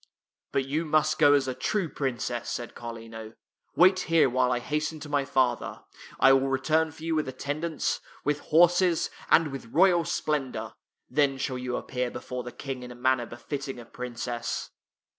" But you must go as a true princess," said Carlino. " Wait here while I hasten to my father. I will return for you with attendants, with horses, and with royal splendor. Then shall you appear before the King in a manner befitting a princess."